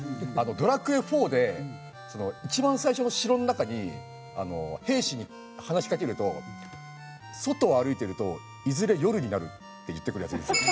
『ドラクエⅣ』で一番最初の城の中に兵士に話しかけると「外を歩いてるといずれ夜になる」って言ってくるヤツいるんですよ。